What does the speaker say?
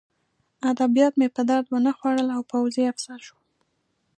ادبیات مې په درد ونه خوړل او پوځي افسر شوم